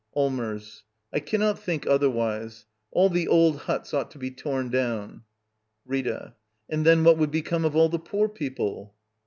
Allmers. I cannot think otherwise. All the old huts ought to be torn down. Rita. And then what would become of all the poor people?